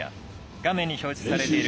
画面に表示されている